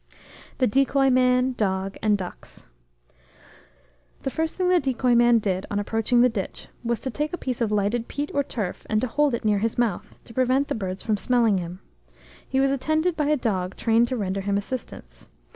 THE DECOY MAN, DOG, AND DUCKS. "The first thing the decoy man did, on approaching the ditch, was to take a piece of lighted peat or turf, and to hold it near his mouth, to prevent the birds from smelling him. He was attended by a dog trained to render him assistance.